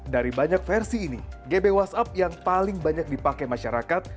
dari banyak versi ini gb whatsapp yang paling banyak dipakai masyarakat